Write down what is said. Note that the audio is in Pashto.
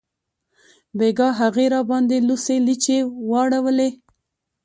بیګاه هغې راباندې لوڅې لیچې واړولې